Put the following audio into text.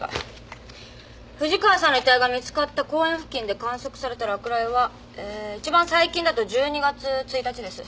藤川さんの遺体が見つかった公園付近で観測された落雷はえーいちばん最近だと１２月１日です。